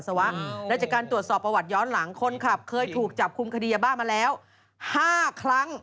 และจากการตรวจสอบประวัติย้อนหลังคนขับเคยถูกจับคุมคดียาบ้ามาแล้ว๕ครั้ง